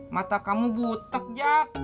mata kamu butek jak